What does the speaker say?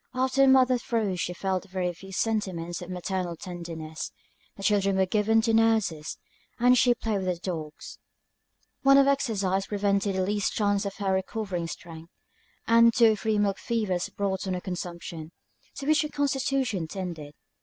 After the mother's throes she felt very few sentiments of maternal tenderness: the children were given to nurses, and she played with her dogs. Want of exercise prevented the least chance of her recovering strength; and two or three milk fevers brought on a consumption, to which her constitution tended.